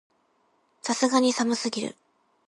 さすがに寒すぎる